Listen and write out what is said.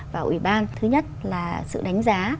vào ủy ban thứ nhất là sự đánh giá